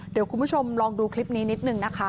เดี๋ยวคุณผู้ชมลองดูคลิปนี้นิดนึงนะคะ